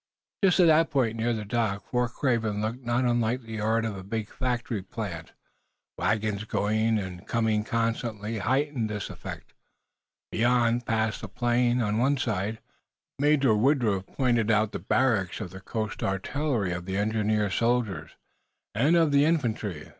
Just at the point near the dock, Fort Craven looked not unlike the yard of a big factory plant. Wagons going and coming constantly heightened this effect. Beyond, past the plain, on one side, Major Woodruff pointed out the barracks of the Coast Artillery, of the Engineers soldiers, and of the Infantry.